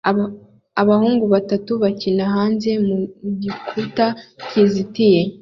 Abahungu batanu bakina hanze mu gikuta kizitiye